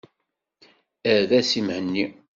Err-as i Mhenni.